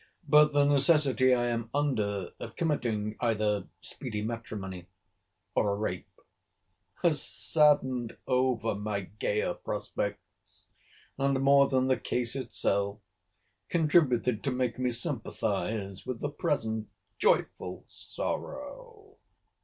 But the necessity I am under of committing either speedy matrimony, or a rape, has saddened over my gayer prospects, and, more than the case itself, contributed to make me sympathize with the present joyful sorrow.